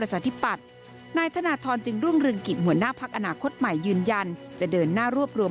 ให้ภาคใหม่ยืนยันจะเดินหน้ารวบรวม